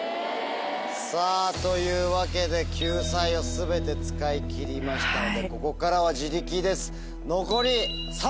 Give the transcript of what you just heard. さぁというわけで救済を全て使い切りましたのでここからは自力です。